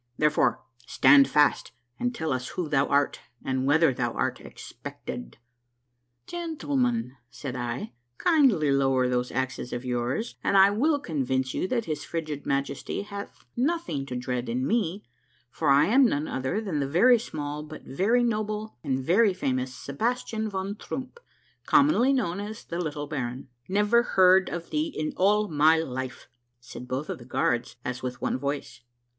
Therefore, stand fast and tell us who thou art and whether thou art expected." " Gentlemen," said I, " kindly lower those axes of yours and I will convince you that his frigid Majesty hath nothing to dread 152 A MARVELLOUS UNDERGROUND JOURNEY in me, for I am none other than the very small but very noble and very famous Sebastian von Troomp, commonly known as ' Little Baron Trump.' " Never heard of thee in all my life," said both of the guards as with one voice.